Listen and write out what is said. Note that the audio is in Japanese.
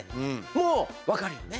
もう分かるよね？